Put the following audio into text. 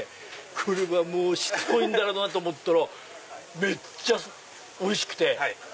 これはもうしつこいんだろうなと思ったらめっちゃおいしくて。